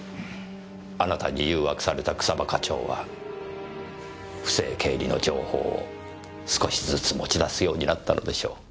あなたに誘惑された草葉課長は不正経理の情報を少しずつ持ち出すようになったのでしょう。